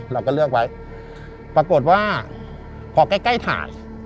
เราก็เลือกไว้ปรากฏว่าพอใกล้ใกล้ฐาน